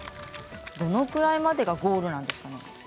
どのくらいまでがゴールなんですかね？